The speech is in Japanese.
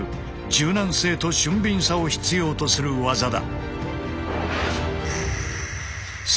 柔軟性と俊敏さを必要とする技だ。